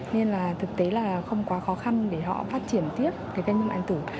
nên là thực tế là không quá khó khăn để họ phát triển tiếp cái thương mại điện tử